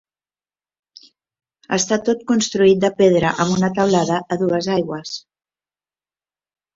Està tot construït de pedra amb una teulada a dues aigües.